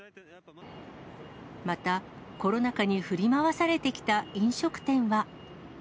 また、コロナ禍に振り回されてきた飲食店は。